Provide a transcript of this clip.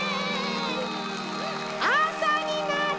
あさになれ！